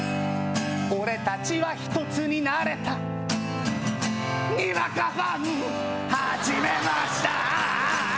俺達は一つになれたにわかファンはじめました